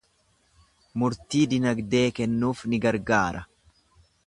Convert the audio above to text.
murtii dinagdee kennuuf ni gargaara.